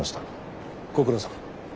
ご苦労さま。